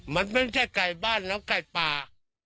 มันมันไม่ใช่ไก่บ้านมีไก่ป่า